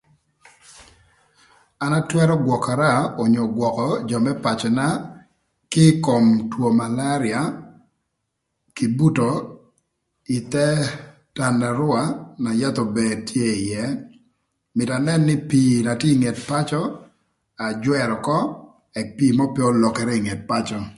An atwërö gwökara onyo gwökö jö më pacöna kï ï kom two malaria kï buto ï thë nët na yath ober tye ïë. mïtö anën nï pii na tye ï nget pacö ajwërö ökö ëk pii mörö pë olokere ï nget pacö.